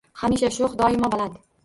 Hamisha sho’x, doimo baland